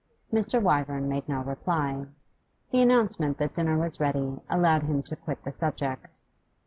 Mr. Wyvern made no reply. The announcement that dinner was ready allowed him to quit the subject.